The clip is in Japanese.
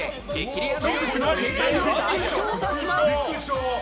レア動物の生態を大調査します！